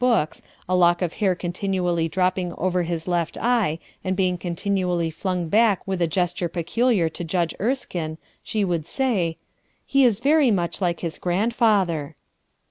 books, a lock of hair continually drop ping over his left eye and being continually flung back with a gesture peculiar to Judge Erskine, she would say :— "He is very much like his grandfather."